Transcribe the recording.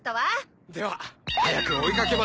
では早く追い掛け。